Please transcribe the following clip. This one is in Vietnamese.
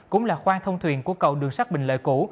cũng là khoan thông thuyền của cầu đường sát bình lợi cũ